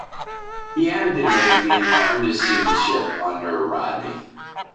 He entered the navy and learned his seamanship under Rodney.